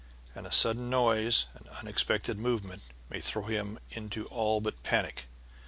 And a sudden noise, an unexpected movement may throw him into all but panic.